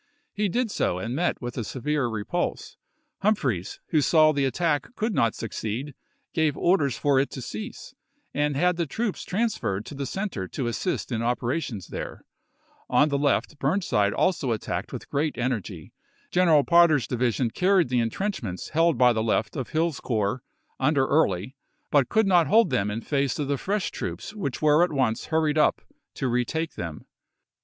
He did so, and met with a severe repulse. Humphreys, who phrJ^s, saw the attack could not succeed, gave orders for virTmia it to cease, and had the troops transferred to the ^^fr&f^ center to assist in operations there. On the left ^p. loi.' Bmnside also attacked with great energy. Gen eral Potter's division carried the intrenchments held by the left of Hill's corps, under Early, but could not hold them in face of the fresh troops which were at once hurried up to retake them.